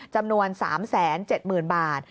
จำนวน๓๗๐๐๐บาท